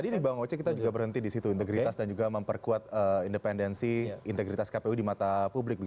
tadi di bang oce kita juga berhenti di situ integritas dan juga memperkuat independensi integritas kpu di mata publik